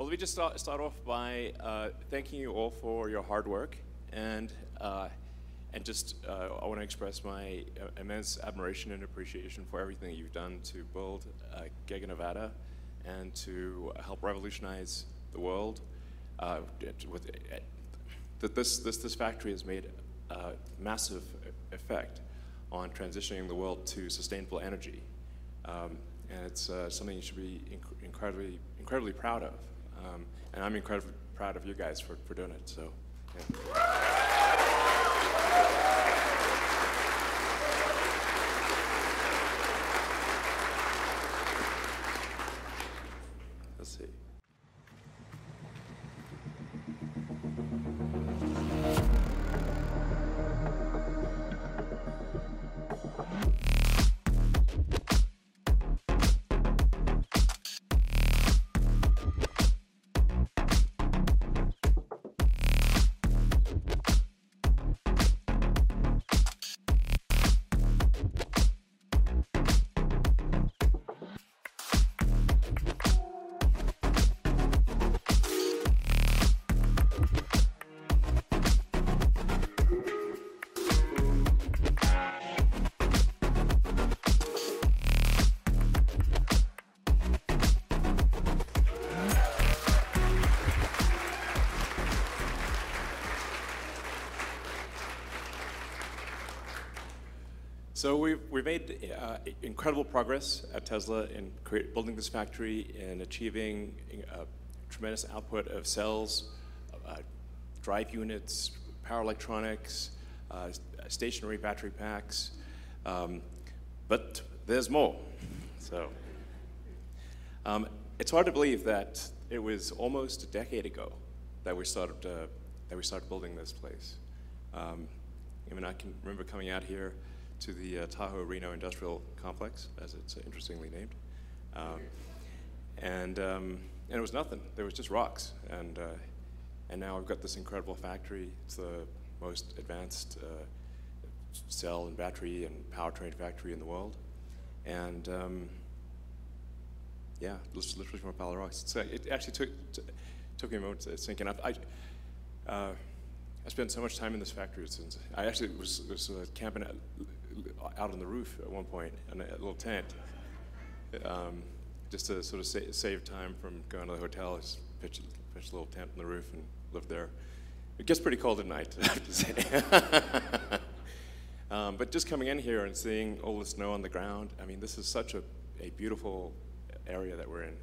Well, let me just start off by thanking you all for your hard work, and just, I wanna express my immense admiration and appreciation for everything you've done to build Gigafactory Nevada, and to help revolutionize the world with. This factory has made a massive effect on transitioning the world to sustainable energy, and it's something you should be incredibly proud of, and I'm incredibly proud of you guys for doing it. Yeah. Let's see. We've made incredible progress at Tesla in building this factory and achieving a tremendous output of cells, drive units, power electronics, stationary battery packs, but there's more. It's hard to believe that it was almost a decade ago that we started building this place. I mean, I can remember coming out here to the Tahoe Reno Industrial Center, as it's interestingly named, and it was nothing. There was just rocks. Now we've got this incredible factory. It's the most advanced cell and battery and powertrain factory in the world. Yeah, this is literally from a pile of rocks. It actually took me a moment to sink in. I spent so much time in this factory. I actually was camping out on the roof at one point in a little tent. Just to sort of save time from going to the hotel, I just pitched a little tent on the roof and lived there. It gets pretty cold at night, I have to say. Just coming in here and seeing all the snow on the ground, I mean, this is such a beautiful area that we're in.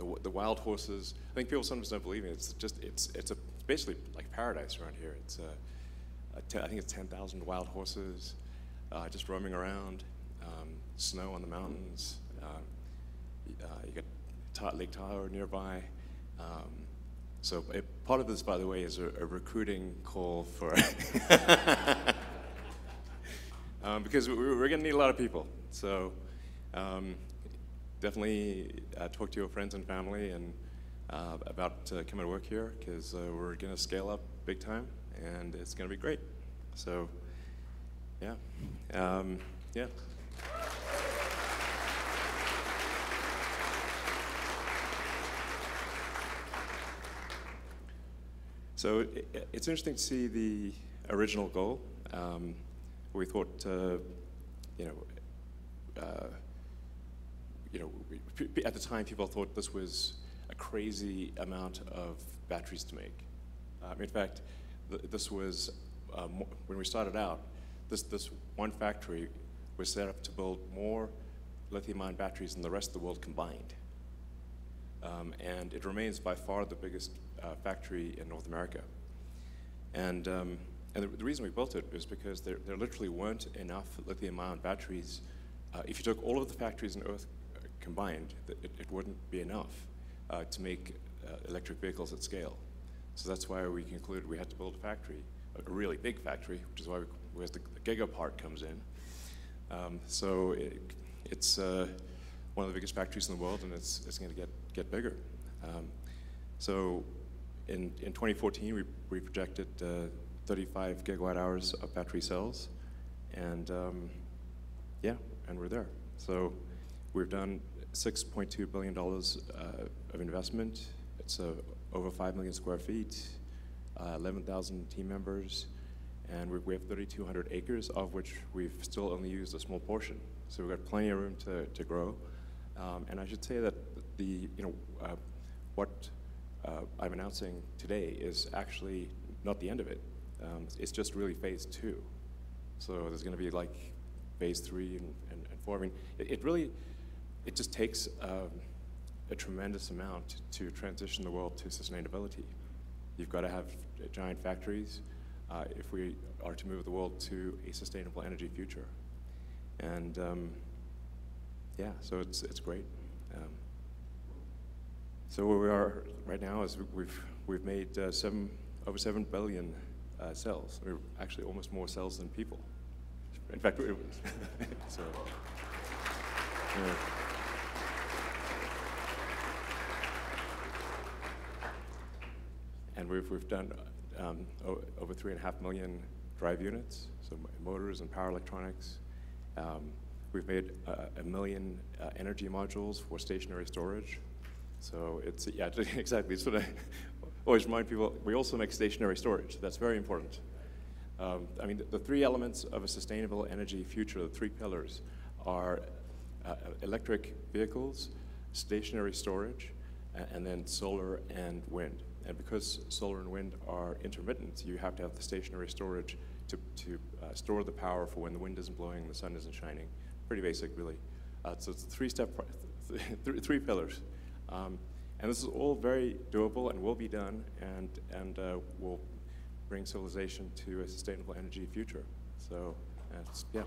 The wild horses, I think people sometimes don't believe me. It's just, it's a, basically like a paradise around here. It's, I think it's 10,000 wild horses just roaming around, snow on the mountains, you got Lake Tahoe nearby. A part of this, by the way, is a recruiting call for because we're gonna need a lot of people. Definitely talk to your friends and family about coming to work here 'cause we're gonna scale up big time, and it's gonna be great. Yeah, yeah. It's interesting to see the original goal, where we thought, you know, you know, at the time people thought this was a crazy amount of batteries to make. In fact, this was when we started out, this one factory was set up to build more lithium-ion batteries than the rest of the world combined. And it remains by far the biggest factory in North America. And the reason we built it is because there literally weren't enough lithium-ion batteries. If you took all of the factories on Earth combined, it wouldn't be enough to make electric vehicles at scale. That's why we concluded we had to build a factory, a really big factory, which is why we where the Giga part comes in. It's one of the biggest factories in the world, and it's gonna get bigger. In 2014 we projected 35 gigawatt-hours of battery cells and we're there. We've done $6.2 billion of investment. It's over 5 million sq ft, 11,000 team members, and we have 3,200 acres, of which we've still only used a small portion. We've got plenty of room to grow. I should say that the, you know, what I'm announcing today is actually not the end of it. It's just really phase two. There's gonna be like phase three and four. I mean, it really, it just takes a tremendous amount to transition the world to sustainability. You've got to have giant factories if we are to move the world to a sustainable energy future. Yeah, so it's great. Where we are right now is we've made seven, over 7 billion cells. We're actually almost more cells than people. In fact, we've done over 3.5 million drive units, so motors and power electronics. We've made 1 million energy modules for stationary storage. It's Yeah, exactly. I always remind people, we also make stationary storage. That's very important. I mean, the three elements of a sustainable energy future, the three pillars are electric vehicles, stationary storage, and then solar and wind. Because solar and wind are intermittent, you have to have the stationary storage to store the power for when the wind isn't blowing and the sun isn't shining. Pretty basic, really. It's a three-step three pillars. This is all very doable and will be done, and will bring civilization to a sustainable energy future. That's, yeah.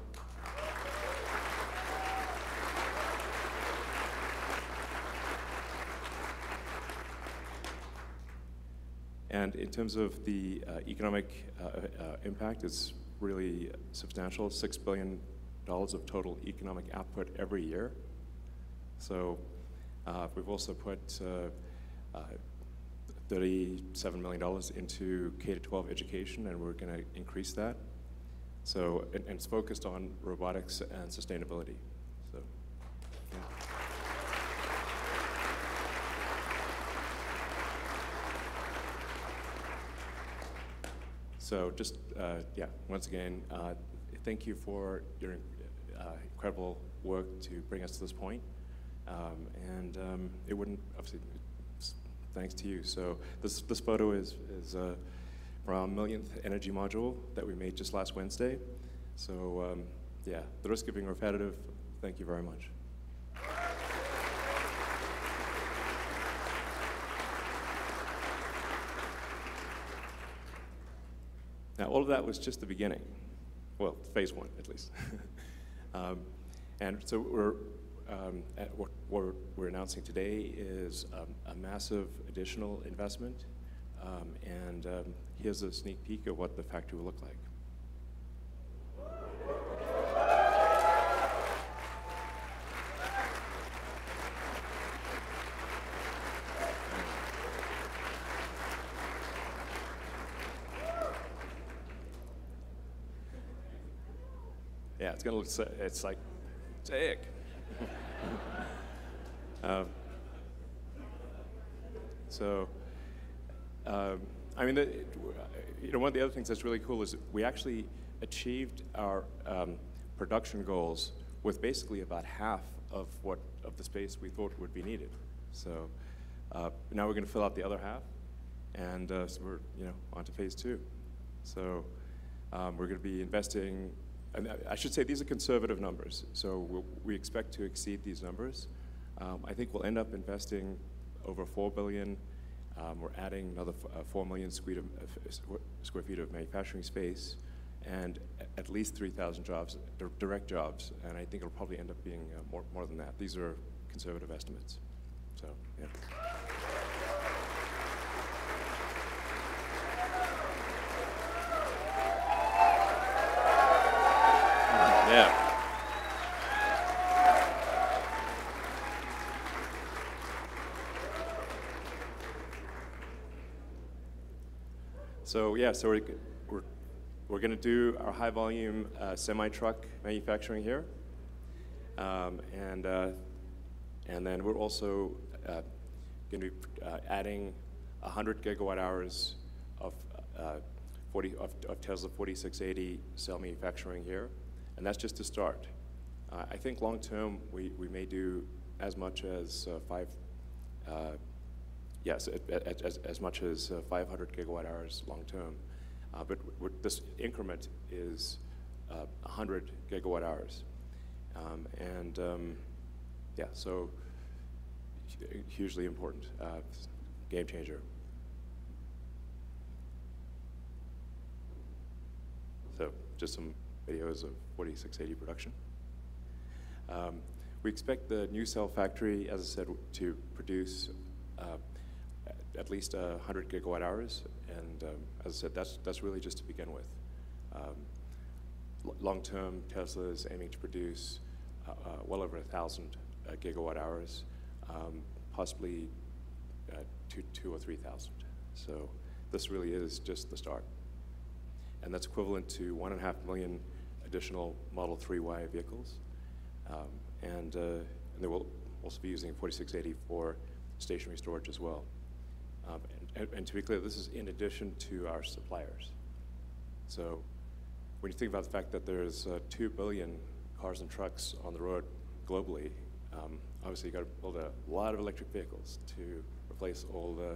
In terms of the economic impact, it's really substantial, $6 billion of total economic output every year. We've also put $37 million into K-12 education, and we're gonna increase that. And it's focused on robotics and sustainability. Yeah. Just yeah. Once again, thank you for your incredible work to bring us to this point. And it wouldn't. Obviously, thanks to you. This photo is from our millionth energy module that we made just last Wednesday. Yeah, the risk of being repetitive, thank you very much. Now, all of that was just the beginning. Well, phase one at least. What we're announcing today is a massive additional investment. Here's a sneak peek of what the factory will look like. Yeah, it's like, "It's epic." I mean, you know, one of the other things that's really cool is we actually achieved our production goals with basically about half of what, of the space we thought would be needed. Now we're gonna fill out the other half, and we're, you know, onto phase two. I should say these are conservative numbers, so we expect to exceed these numbers. I think we'll end up investing over $4 billion. We're adding another 4 million sq ft of manufacturing space and at least 3,000 direct jobs, and I think it'll probably end up being more than that. These are conservative estimates, so yeah. Yeah. We're gonna do our high-volume semi-truck manufacturing here. We're also gonna be adding 100 gigawatt-hours of Tesla 4680 cell manufacturing here, and that's just to start. I think long term, we may do as much as 500 gigawatt-hours long term. This increment is 100 gigawatt-hours. Hugely important game changer. Just some videos of 4680 production. We expect the new cell factory, as I said, to produce at least 100 gigawatt-hours, as I said, that's really just to begin with. Long-term, Tesla is aiming to produce well over 1,000 gigawatt-hours, possibly 2,000 or 3,000. This really is just the start, and that's equivalent to 1.5 million additional Model 3 Y vehicles. We'll also be using 4680 for stationary storage as well. To be clear, this is in addition to our suppliers. When you think about the fact that there's 2 billion cars and trucks on the road globally, obviously you gotta build a lot of electric vehicles to replace all the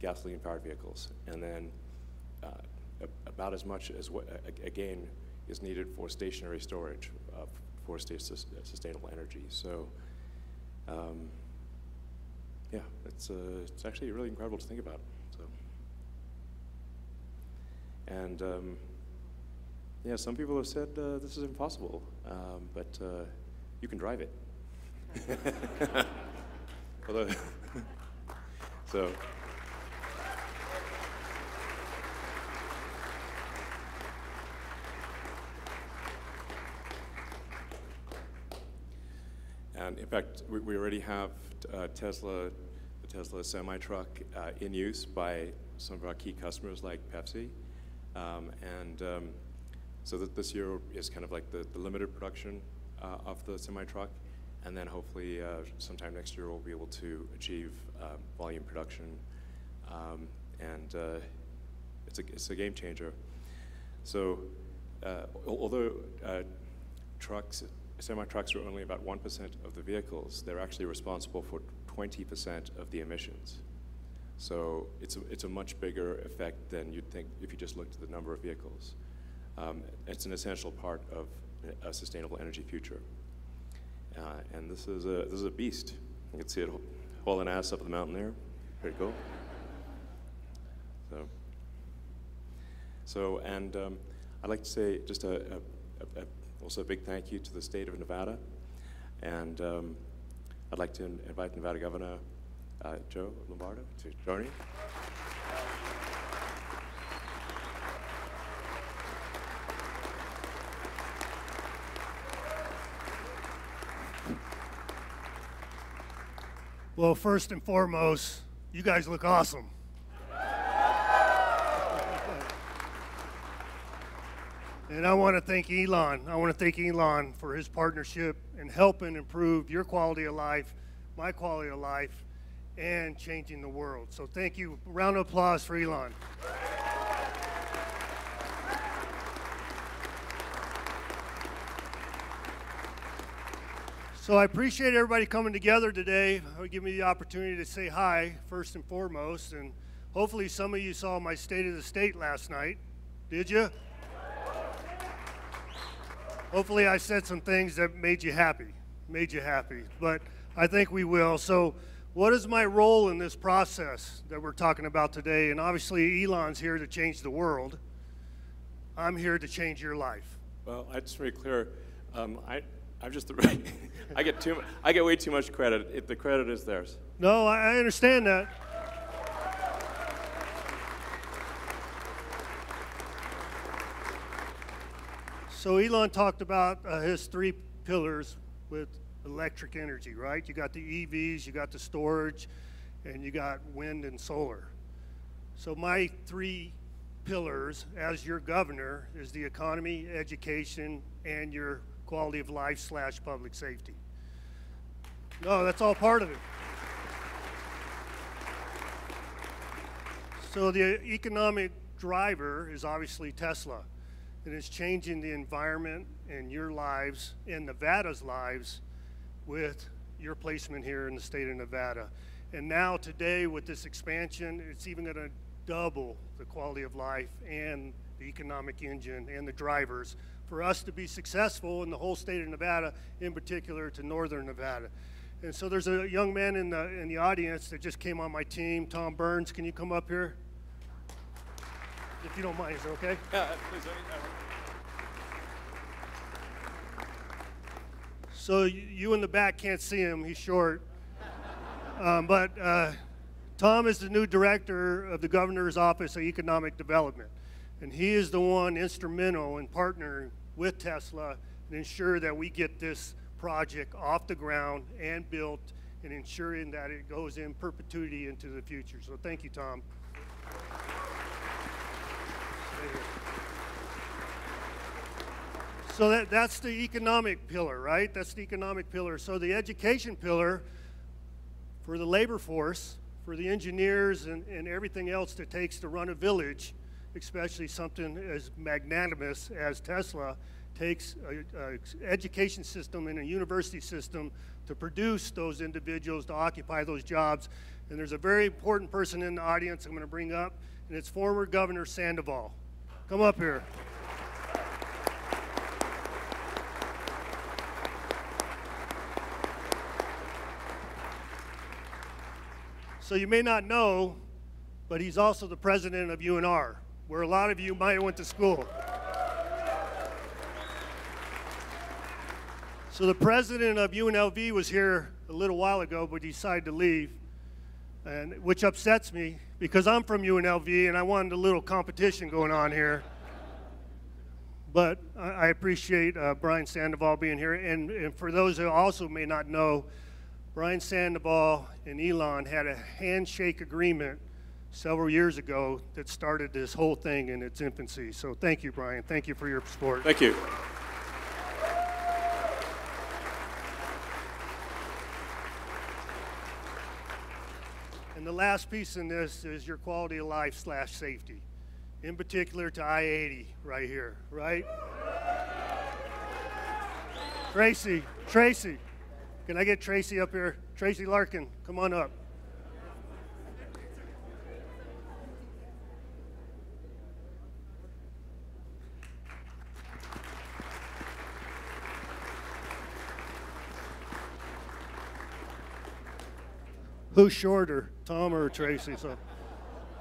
gasoline-powered vehicles. Then about as much as what again is needed for stationary storage of sustainable energy. Yeah, it's actually really incredible to think about, so. Yeah, some people have said this is impossible, but you can drive it. Although. In fact, we already have Tesla, the Tesla Semi Truck, in use by some of our key customers like Pepsi. This year is kind of like the limited production of the Semi Truck, and then hopefully sometime next year we'll be able to achieve volume production. It's a game changer. Although trucks, semi trucks are only about 1% of the vehicles, they're actually responsible for 20% of the emissions. It's a much bigger effect than you'd think if you just looked at the number of vehicles. It's an essential part of a sustainable energy future. This is a beast. You can see it hauling ass up the mountain there. Pretty cool. I'd like to say just a also a big thank you to the State of Nevada, I'd like to invite Nevada Governor Joe Lombardo to join me. Well, first and foremost, you guys look awesome. I wanna thank Elon. I wanna thank Elon for his partnership in helping improve your quality of life, my quality of life, and changing the world. Thank you. Round of applause for Elon. I appreciate everybody coming together today, giving me the opportunity to say hi, first and foremost, and hopefully some of you saw my state of the state last night. Did you? Hopefully, I said some things that made you happy, but I think we will. What is my role in this process that we're talking about today? Obviously, Elon's here to change the world. I'm here to change your life. Well, just to be clear, I get way too much credit. The credit is theirs. No, I understand that. Elon talked about his three pillars with electric energy, right? You got the EVs, you got the storage, and you got wind and solar. My three pillars as your governor is the economy, education, and your quality of life/public safety. No, that's all part of it. The economic driver is obviously Tesla, and it's changing the environment and your lives and Nevada's lives with your placement here in the state of Nevada. Now today with this expansion, it's even gonna double the quality of life and the economic engine and the drivers for us to be successful in the whole state of Nevada, in particular to northern Nevada. There's a young man in the audience that just came on my team. Tom Burns, can you come up here? If you don't mind, is that okay? Yeah. Please join me. You in the back can't see him. He's short. Tom is the new Director of the Governor's Office of Economic Development, and he is the one instrumental in partnering with Tesla to ensure that we get this project off the ground and built and ensuring that it goes in perpetuity into the future. Thank you, Tom. Stay here. That, that's the economic pillar, right? That's the economic pillar. The education pillar for the labor force, for the engineers and everything else that it takes to run a village, especially something as magnanimous as Tesla, takes a education system and a university system to produce those individuals to occupy those jobs. There's a very important person in the audience I'm gonna bring up, and it's former Governor Sandoval. Come up here. You may not know, but he's also the president of UNR, where a lot of you might went to school. The president of UNLV was here a little while ago, but he decided to leave, and which upsets me because I'm from UNLV, and I wanted a little competition going on here. I appreciate Brian Sandoval being here. For those who also may not know, Brian Sandoval and Elon had a handshake agreement several years ago that started this whole thing in its infancy. Thank you, Brian. Thank you for your support. Thank you. The last piece in this is your quality of life/safety, in particular to I-80 right here, right? Tracy. Tracy. Can I get Tracy up here? Tracy Larkin, come on up. Who's shorter, Tom or Tracy?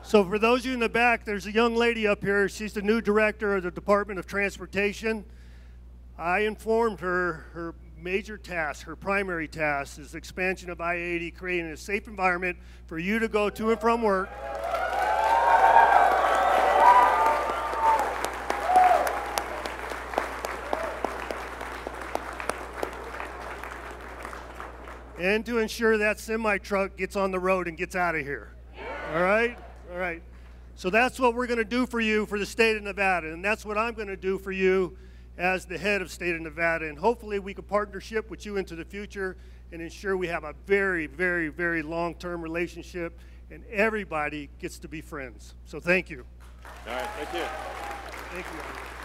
For those of you in the back, there's a young lady up here. She's the new Director of the Department of Transportation. I informed her major task, her primary task, is expansion of I-80, creating a safe environment for you to go to and from work. To ensure that Semi truck gets on the road and gets out of here. Yeah. All right? All right. That's what we're gonna do for you for the State of Nevada. That's what I'm gonna do for you as the Head of State of Nevada. Hopefully we can partnership with you into the future and ensure we have a very, very, very long-term relationship and everybody gets to be friends. Thank you. All right. Thank you. Thank you, Elon.